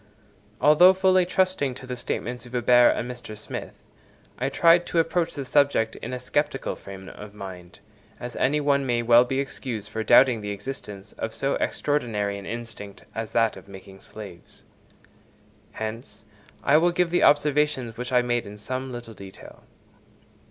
Although fully trusting to the statements of Huber and Mr. Smith, I tried to approach the subject in a sceptical frame of mind, as any one may well be excused for doubting the existence of so extraordinary an instinct as that of making slaves. Hence, I will give the observations which I made in some little detail.